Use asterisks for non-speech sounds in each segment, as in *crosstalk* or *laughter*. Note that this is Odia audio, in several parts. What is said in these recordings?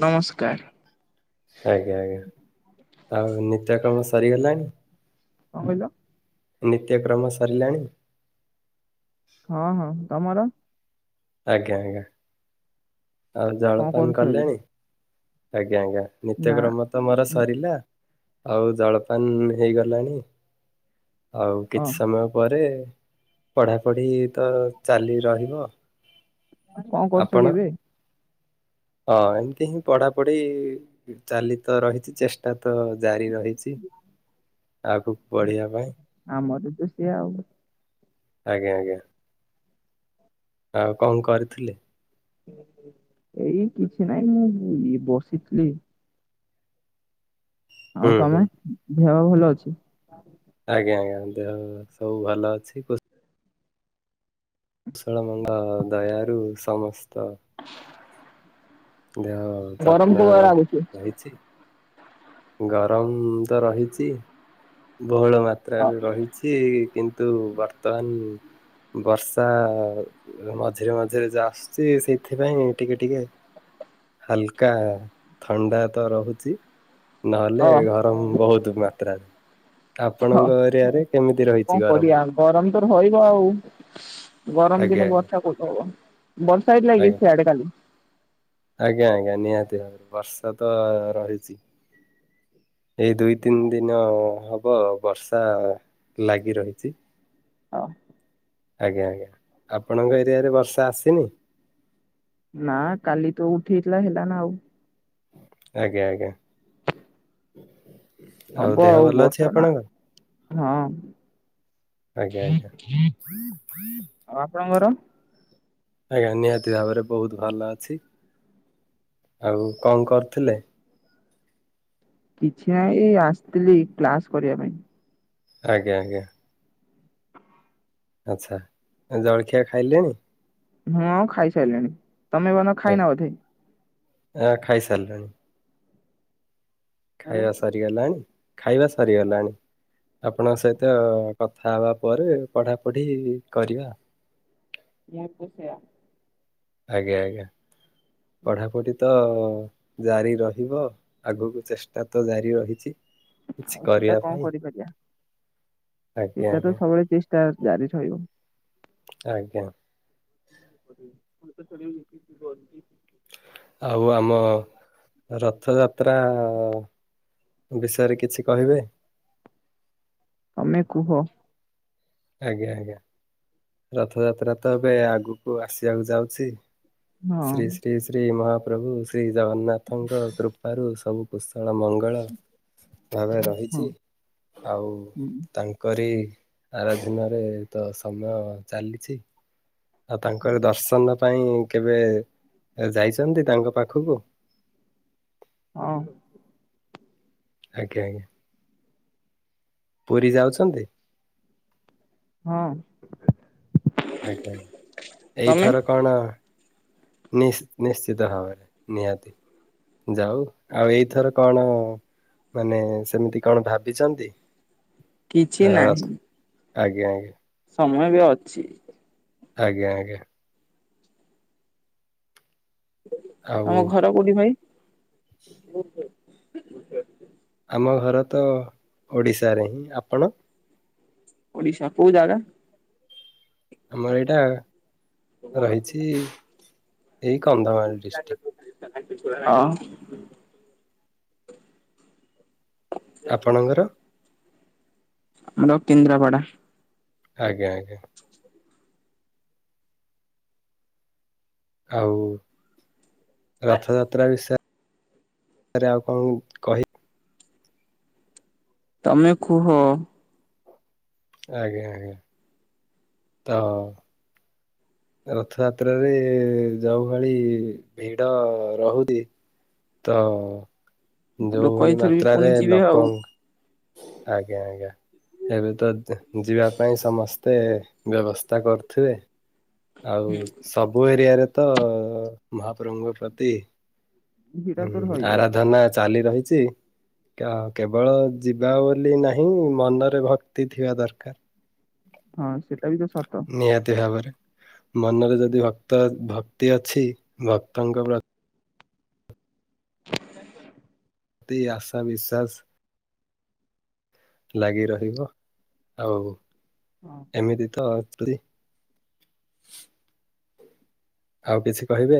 ନମସ୍କାର ଆଜ୍ଞା, ଆଜ୍ଞା, ଆଉ ନିତ୍ୟ କାମ ସରିଗଲାଣି? କଣ କହିଲ? ନିତ୍ୟକ୍ରମ ସରିଲାଣି? ହଁ, ହଁ ତମର ଆଜ୍ଞା, ଆଜ୍ଞା, ଆଉ କଣ ଜଳପାନ କରୁଛ ଏବେ କଲେଣି, ଆଜ୍ଞା, ଆଜ୍ଞା ନା ନିତ୍ୟକ୍ରମ ତ ମୋର ସରିଲା । ଆଉ ଜଳପାନ ହେଇଗଲାଣି, ଆଉ ହଁ କିଛି ସମୟ ପରେ ପଢାପଢି ତ ଚାଲି ରହିବ । କଣ କରୁଛ କି ଏବେ? ହଁ ଏମତି ହିଁ ପଢାପଢି ଚାଲି ତ ରହିଛି, ଚେଷ୍ଟା ତ ଜାରି ରହିଛି ଆଗକୁ ବଢିବା ପାଇଁ ଆମର ତ ସେଆ ଆଉ ଆଜ୍ଞା, ଆଜ୍ଞା । ଆଉ କଣ କରିଥିଲେ? ଏଇ କିଛି ନାଇଁ, ମୁଁ ଇଏ ବସିଥିଲି। ହୁଁ ଆଉ ତମେ ହୁଁ ଦେହ ଭଲ ଅଛି। ଆଜ୍ଞା ଆଜ୍ଞା ଦେହ ସବୁ ଭଲ ଅଛି। କୋ କୁଶଳ ମଙ୍ଗ ଦୟାରୁ ସମସ୍ତ ଦେହ ଗରମ ଯତ୍ନ କୁ ର ଲାଗୁଛି ରହିଛି। ଗରମ ତ ରହିଛି। ବହୁଳ ହଁ ମାତ୍ରାରେ ରହିଛି କିନ୍ତୁ ବର୍ତ୍ତମାନ ବର୍ଷା ଆ ମଝିରେ ମଝିରେ ଯା ଆସୁଛି ସେଇଥିପାଇଁ ଟିକେ ଟିକେ ହାଲକା ଆ ଥଣ୍ଡା ତ ରହୁଛି। ନ ହେଲେ ହଁ ଗରମ ବହୁତ ମାତ୍ରାରେ। ଆପଣଙ୍କ ଏରିଆରେ କେମିତି ରହିଛି ଗରମ। ର ରହିଇବ ଆଉ। ଗରମ ଆଜ୍ଞା ଦିନ ବର୍ଷା କୋଉଠୁ ହବ ବର୍ଷା ହେଇଥିଲାକି ଆଜ୍ଞା ସିଆଡେ କାଲି? ଆଜ୍ଞା ଆଜ୍ଞା ନିହାତି ଭାବରେ ବର୍ଷା ତ ରହିଛି। ଏଇ ଦୁଇ ତିନି ଦିନ ହବ ବର୍ଷା ଲାଗି ରହିଛି। ହଁ। ଆଜ୍ଞା ଆଜ୍ଞା ଆପଣଙ୍କ ଏରିଆରେ ବର୍ଷା ଆସିନି। ନା କାଲି ତ ଉଠେଇଥିଲା ହେଲା ନା ଆଉ। ଆଜ୍ଞା ଆଜ୍ଞା। ହବ ଦେହ ଆଉ ଭଲ ଅଛି ବର୍ଷା ନା ଆପଣଙ୍କ? ହଁ। ଆଜ୍ଞା ଆଜ୍ଞା ଆ ଆପଣଙ୍କର। ଆଜ୍ଞା ନିହାତି ଭାବରେ ବହୁତ ଭଲ ଅଛି। ଆଉ କଣ କରୁଥିଲେ। କିଛି ନାହିଁ ଏ ଆସିଥିଲି କ୍ଲାସ କରିବା ପାଇଁ। ଆଜ୍ଞା ଆଜ୍ଞା। ଆଚ୍ଛା ଜଳଖିଆ ଖାଇଲେନି? ମୁଁ ଖାଇସାରିଲିଣି ତମେ ବନ ଖାଇନା ବୋଧେ। ଆ ଖାଇ ସାରିଲେଣି। ମୁଁ ଖାଇବା ସରିଗଲାଣି ଖାଇବା ସରିଗଲାଣି। ଆପଣଙ୍କ ସହିତ କଥା ହବା ପରେ ପଢାପଢି କରିବା। ଯାହା କୁ ସେଇଆ। ଆଜ୍ଞା ଆଜ୍ଞା ପଢାପଢି ତ ଜାରି ରହିବ ଆଗକୁ ଚେଷ୍ଟା ତ ଜାରି ରହିଛି। କିଛି ଆଉ ସେଟା କରିବା କଣ ପାଇଁ କରିପାରିବା ଆଜ୍ଞା ସେଟା ତ ଆଜ୍ଞା ସବୁବେଳେ ଚେ ଷ୍ଟା ଜାରିରହିବ। ଆଜ୍ଞା। *unintelligible* ଜଲଦି। ଆଉ ଆମ ରଥଯାତ୍ରା ଆ। ବିଷୟରେ କିଛି କହିବେ। ତମେ କୁହ। ଆଜ୍ଞା ଆଜ୍ଞା ରଥଯାତ୍ରା ତ ଏବେ ଆଗକୁ ଆସିବାକୁ ଯାଉଛି। ଶ୍ରୀ ହଁ ଶ୍ରୀ ଶ୍ରୀ ମହାପ୍ରଭୁ ଶ୍ରୀ ଜଗନ୍ନାଥଙ୍କ କୃପାରୁ ସବୁ ପୁସ ଳ ମଙ୍ଗଳ ଭାବେ ରହିଛି ଆଉ ହୁଁ, ତାଙ୍କରି ଆରାଧନାରେ ତ ସମୟ ଚାଲିଛି ଆଉ ତାଙ୍କର ଦର୍ଶନ। ପାଇଁ କେବେ ଯାଇଛନ୍ତି ତାଙ୍କ ପାଖକୁ। ହଁ। ଆଜ୍ଞା ଆଜ୍ଞା ପୁରୀ ଯାଉଛନ୍ତି। ହଁ। ଆଜ୍ଞା ତମେ ଏଇଥର କଣ ନି-ନିଶ୍ଚିତ ଭାବରେ ନିହାତି। ଯାଉ ଆଉ ଏଇଥର କଣ ମାନେ ସେମିତି କଣ ଭାବିଛନ୍ତି? କିଛି ର ନାହିଁ। ଆଜ୍ଞା ଆଜ୍ଞା। ସମୟ ବି ଅଛି। ଆଜ୍ଞା ଆଜ୍ଞା। ଆଉ ତମ ଘର କୋଉଠି ଭାଇ? ଆମ ଘର ତ ଓଡିଶାରେ ହିଁ ଆପଣ? ଓଡିଶା କୋଉ ଜାଗା? ଆମର ଏଇଟା ରହିଛି ଏଇ କନ୍ଧମାଳ ଡିଷ୍ଟ୍ରିକ୍ଟ। ହଁ। ଆପଣଙ୍କର? ଆମର କେଦ୍ରାପଡ଼ା। ଆଜ୍ଞା ଆଜ୍ଞା। ଆଉ ରଥଯାତ୍ରା ବିଷୟ ରେ ଆଉ କଣ କହି ତମେ କୁହ? ଆଜ୍ଞା ଆଜ୍ଞା ତ ରଥଯାତ୍ରାରେ ଯୋଉ ଭଳି ଭିଡ ରହୁଛି। ତ ଲୋକ ଯୋଉଭଳି ଏଇଥର ବି ପୁଣି ମାତ୍ରାରେ ଯିବେ ଲୋକ ଆଉ। ଆଜ୍ଞା ଆଜ୍ଞା। ଏବେ ତ ଯି ଯିବା ପାଇଁ ସମସ୍ତେ ବ୍ୟବସ୍ଥା କରୁଥିବେ। ଆଉ ସବୁ ଏରିଆରେ ତ ମହାପ୍ରଭୁଙ୍କ ପ୍ରତି ଭିଡ ହଁ ତ ରହିବ ଆରାଧନା ଚାଲି ରହିଛି। ଆ କେବଳ ଯିବା ବୋଲି ନାହିଁ ମନରେ ଭକ୍ତି ଥିବା ଦରକାର। ହଁ ସେଟା ବି ତ ସତ। ନିହାତି ଭାବରେ ମନରେ ଯଦି ଭକ୍ତ ଭକ୍ତି ଅଛି ଭକ୍ତଙ୍କ ପ୍ର ତି ଆଶା ବିଶ୍ୱାସ। ଲାଗି ରହିବ ଆଉ ହଁ ଏମିତି ତ ପୁରୀ ଆଉ କିଛି କହିବେ?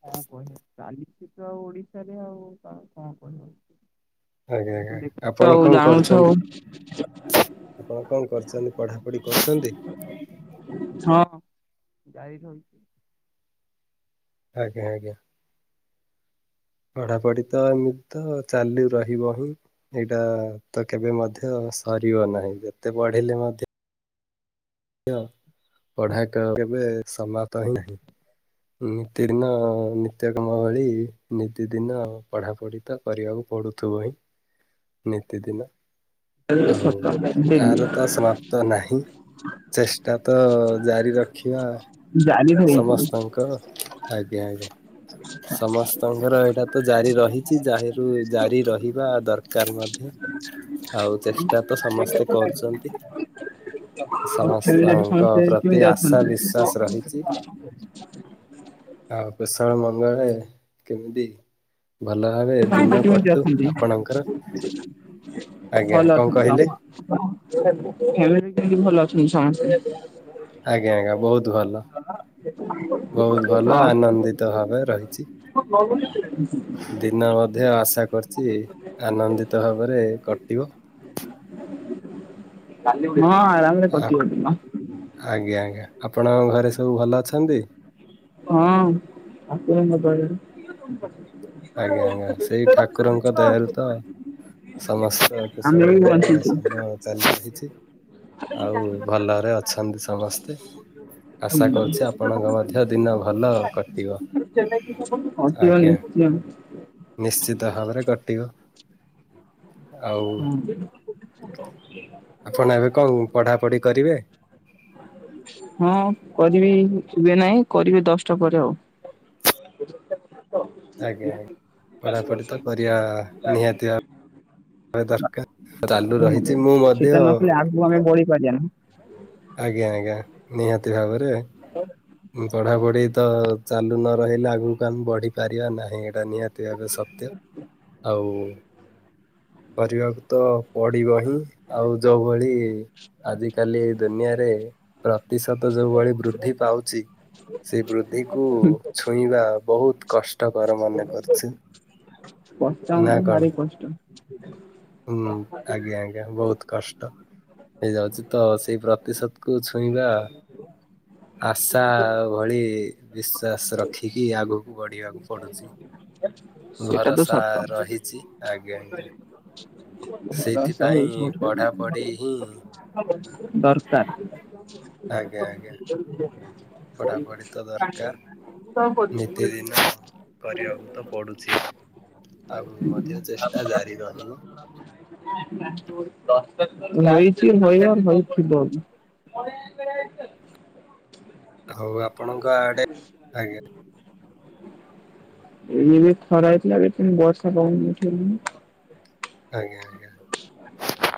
କଣ କହିବ ଚାଲିଛି ତ ଆଉ ଓଡିଶାରେ ଆଉ କଣ କହିବ? ଆଜ୍ଞା ଆଉ ଆଜ୍ଞା ତୁ ଆପଣ ଦେଖୁଛ ଆଉ କଣ ଜାଣୁଛ କରୁଛନ୍ତି? ଆଉ। ଆପଣ କଣ କରୁଛନ୍ତି ପଢାପଢି କରୁଛନ୍ତି? ହଁ ଜାର ରହିଛି। ଆଜ୍ଞା ଆଜ୍ଞା। ପଢାପଢି ତ ଏମିତି ତ ଚାଲି ରହିବ ହିଁ। ଏଇଟା ତ କେବେ ମଧ୍ୟ ସରିବ ନାହିଁ ଯେତେ ପଢିଲେ ମଧ୍ୟ ମଧ୍ୟ ପଢା କେବେ ସ ସମାତ ହିଁ ନାହିଁ। ନିତିଦିନ ନିତ୍ୟ କାମ ଭଳି ନିତି ଦିନ ପଢାପଢି ତ କରିବାକୁ ପଡୁ ଥିବ ହିଁ ନିତିଦିନ। ଆଉ ଏହାର ତ ସମାପ୍ତ ନାହିଁ। ଚେଷ୍ଟା ତ ଜାରି ରଖିବା ଜାରି ରହିଛି ସମସ୍ତଙ୍କ ଆଜ୍ଞା ଆଜ୍ଞା ସମସ୍ତଙ୍କର ଏଇଟା ତ ଜାରି ରହିଛି ଜାହିର ଜାରି ରହିବା ଦରକାର ମଧ୍ୟ। ଆଉ ଚେଷ୍ଟା ତ ସମସ୍ତେ କରୁଛନ୍ତି। ଆଉ ଫ୍ୟାମିଲିରେ ସମସ୍ତଙ୍କ ସମସ୍ତେ ପ୍ରତି କେମିତି ଆଶା ଅଛନ୍ତି? ବିଶ୍ଵାସ ରହିଛି। ଆଉ ପେସା ମନରେ କେମିତି? ଭଲ ଭାବେ ଦିନ କେମତି କଟୁ ଅଛନ୍ତି? ଆପଣଙ୍କର ଆଜ୍ଞା ଭଲ କଣ ଅଛନ୍ତି କହିଲେ? ତମ ଫ୍ୟା୍ମିଲ କେମିତି ଭଲ ଅଛନ୍ତି ସମସ୍ତେ? ଆଜ୍ଞା ଆଜ୍ଞା ବହୁତ ଭଲ ବହୁତ ଭଲ ଆନନ୍ଦିତ ଭାବେ ରହିଛି। ହଁ *inaudible* *inaudible* ନା ମଧ୍ୟ ଆଶା କରିଛି ଆନନ୍ଦିତ ଭାବରେ କଟିବ। କାଲି ମିଳିବ ହଁ ଆରାମ ରେ ଆ କିଟିବ ଦିନ। ସେସବୁ ଭଲ ଅଛନ୍ତି। ଉଁ ଆପଣଙ୍କ ଦୟାରୁ। ଆଜ୍ଞା ଆଜ୍ଞା ସେଇ ଠାକୁରଙ୍କ ଦୟାରୁ ତ ସମସ୍ତ ଆମେ କୁଶଳ ବି ମଙ୍ଗଳ ବଞ୍ଚିଛୁ ସମୟ ଚାଲିଛି। ଆଉ ଭଲ ରେ ଅଛନ୍ତି ସମସ୍ତେ। ଆଶା କରୁଛି ଆପଣମାନଙ୍କ ମଧ୍ୟ ଦିନ ଭଲ କଟିବ। ଆଜ୍ଞା *inaudible* ନିଶ୍ଚିତ ଭାବରେ କଟିବ। ଆଉ ଉଁ। ଆପଣ ଏବେ କଣ ପଢାପଢି କରିବେ। ହଁ କରିବି ହୁଏ ନାହିଁ କରିବି ଦଶଟା ପରେ ଆଉ। ଆଜ୍ଞା ଆଜ୍ଞା ପଢାପଢି ତ କରିବା ନିହାତି ଆବ ଭାବେ ଦରକାର ରାନୁ ରହିଛି ମୁଁ ମଧ୍ୟ ସେଟା ନକଲେ *unintelligible* ଆଜ୍ଞା ଆଜ୍ଞା ନିହାତି ଭାବରେ *unintelligible* ପଢାପଢି ତ ଚାଲୁ ନ ରହିଲେ ଆଗକୁ ଆମେ ବଢି ପାରିବା ନାହିଁ ଏଇଟା ନିହାତି ଏହା ତ ସତ୍ୟ ଆଉ କରିବାକୁ ତ ପଡ଼ିବ ହିଁ। ଆଉ ଯୋଉଭଳି ଆଜିିକାଲି ଦୁନିଆରେ ପ୍ର ତିଶତ ଯୋଉଭଳି ବୃଦ୍ଧି ପାଉ ସେଇ ବୃଦ୍ଧିକୁୁ ଛୁଇଁବା ବହୁତ କଷ୍ଟକର ମନେ କରୁଛି। *inaudible* ପଞ୍ଚମ ନା ଟା କଣ? ଭାରି କଷ୍ଟ। ହୁଁ ଆଜ୍ଞା ଆଜ୍ଞା ବହୁତ କଷ୍ଟ। ଏଇ *inaudible* ସେଇ ପ୍ରତିଶତ କୁ ଛୁଇଁବା ଆଶା ଭଳି ବିଶ୍ୱାସ ରଖିକି ଆଗକୁ ବଢ଼ିବାକୁ ପଡ଼ୁଛି। ସେଇଟା ତ ସତ। ଆଜ୍ଞା ଆଜ୍ଞା। ସେଇଥିପାଇଁ ପଢାପଢି ହିଁ *unintelligible* ଦରକାର। ଆଜ୍ଞା ଆଜ୍ଞା ପଢାପଢି ତ ଦରକାର *unintelligible* ନିତିଦିନ କରିବାକୁ ତ ପଡୁଛି। ଆଗକୁ ମଧ୍ୟ ଚେଷ୍ଟା ଜାରିରହିବ। *inaudible* ହୋଇଛି ହୋଇବ ହୋଇଥିବ ବି। *inaudible* ଆଉଁ ଆପଣଙ୍କ ଆଡେ ଆଜ୍ଞା। ଏଇନେ ଖରା ହେଇଥିଲା ଏବେ ପୁଣି ବର୍ଷା ପବନ ଉଠେଇଲାଣି। ଆଜ୍ଞା ଆଜ୍ଞା।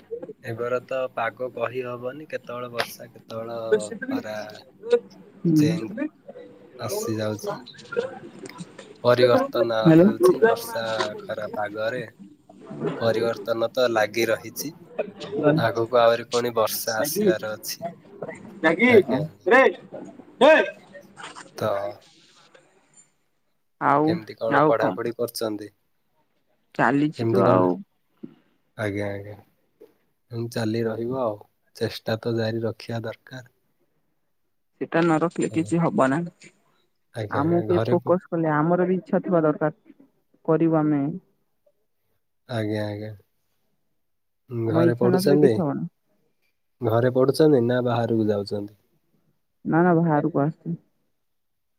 ମେଘର ତ ପାଗ କହି ହବନି କେତେବେଳେ ବର୍ଷା କେତେ *inaudible* ଚେଞ୍ଜ ଆସି ଯାଉଛି *inaudible* ପରିବର୍ତ୍ତନ ହ୍ୟାଲୋ ହଉଛି ବର୍ଷା ଖରା ପାଗରେ। ପରିବର୍ତ୍ତନ ତ ଲାଗି ରହିଛି। ଆଗକୁ ଆହୁରି ପୁଣି ବର୍ଷା ଆସିବାର ଅଛି। ଆଜ୍ଞା ଆଜ୍ଞା। ତ *inaudible* ଆଉ କେମିତି କଣ ପଢାପଢି କରୁଛନ୍ତି। ଚାଲିଛି କେମିତି ତ କଣ ଆଉ। ଆଜ୍ଞା ଆଜ୍ଞା। ଚାଲି ରହିବ ଆଉ ଚେଷ୍ଟା ତ ଜାରି ରଖିବା ଦରକାର। ସେଟା ନ ରଖିଲେ ଆଜ୍ଞା କିଛି ହବ ନା ଆଜ୍ଞା ଆମକୁ ଆଜ୍ଞା। କିଏ ଘରେ ପ- ଫୋକସ କଲେ ଆମର ବି। ଇଚ୍ଛା ଥିବା ଦରକାର କରିବୁ ଆମେ। ଆଜ୍ଞା ଆଜ୍ଞା ଆମ ଘରେ ଇଚ୍ଛା ନଥିଲେ ପଢୁଛନ୍ତି। କିଛି ହବନା ଘରେ ପଢୁଛନ୍ତି ନା ବାହାରକୁ ଯାଉଛନ୍ତି। ନା ନା ବାହାରକୁ ଆସୁଛି।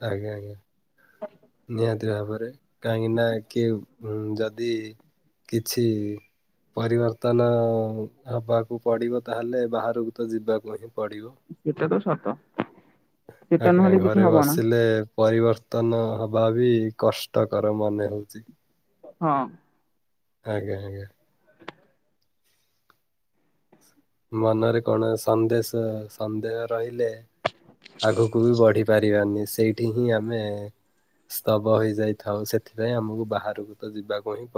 ଆଜ୍ଞା ଆଜ୍ଞା ନିହାତି ଭାବରେ କାହିଁକି ନା କିଏ। ହୁଁ ଯଦି କିଛି। ପରିବର୍ତ୍ତନ ହବାକୁ ପଡିବ ତାହେଲେ ବାହାରକୁ ତ ଯିବାକୁ ହିଁ। ପଡିବ। ଏଟା ତ ସତ। ସେଟା ଆଜ୍ଞା ନହେଲେ ଘରେ କିଛି ହବ ନା ବସିିଲେ ପରି ବର୍ତ୍ତନ ହବା ବି କଷ୍ଟକର ମନେ ହଉଛି। ହଁ। ଆଜ୍ଞା ଆଜ୍ଞା। ମନରେ କଣ ସନ୍ଦେଶ ସନ୍ଦେହ ରହିଲେ ଆଗକୁ ବି ବଢି ପାରିବାନି ସେଇଠି ହିଁ ଆମେ। ସ୍ତବ ହେଇଯାଇଥାଉ ସେଥିପାଇଁ ଆମକୁ ବାହାରକୁ ତ ଯିବାକୁ ହିଁ ପ